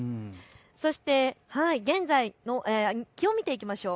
そして、現在の気温を見ていきましょう。